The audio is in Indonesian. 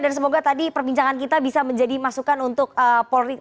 dan semoga tadi perbincangan kita bisa menjadi masukan untuk polri